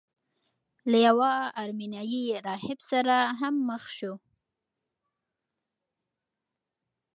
له یوه ارمینیايي راهب سره هم مخ شو.